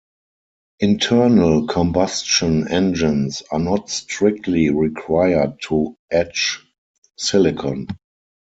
Internal combustion engines are not strictly required to etch silicon.